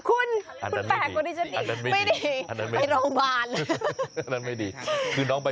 อุ๊ยคุณ